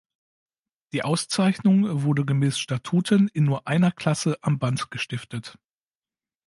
Die Auszeichnung wurde gemäß Statuten in nur einer Klasse am Band gestiftet.